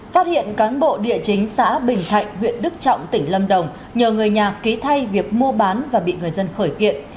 phát hiện cán bộ địa chính xã bình thạnh huyện đức trọng tỉnh lâm đồng nhờ người nhà ký thay việc mua bán và bị người dân khởi kiện